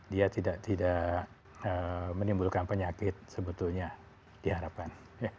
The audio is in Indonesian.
dia tidak menimbulkan penyakit sebetulnya diharapkan